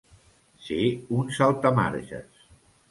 Ser un saltamarges.